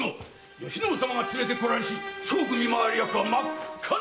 嘉信様が連れて来られし諸国見回り役は真っ赤な偽者！